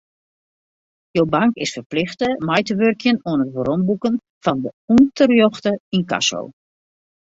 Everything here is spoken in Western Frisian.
Jo bank is ferplichte mei te wurkjen oan it weromboeken fan de ûnterjochte ynkasso.